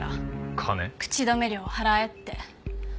口止め料を払えって。